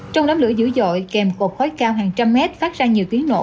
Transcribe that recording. trong đám lửa dữ dội kèm cột khói cao hàng trăm mét phát ra nhiều tiếng nổ